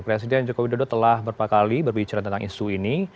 presiden jokowi dodo telah berpakaali berbicara tentang isu ini